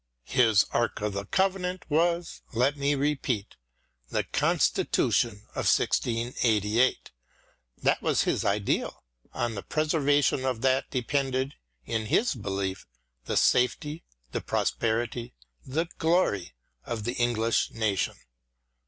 His Ark of the Covenant was, let me repeat, the Constitution of 1688. That was his ideal : on the preservation of that depended, in his belief j the safety, the prosperity, the glory of the English nation.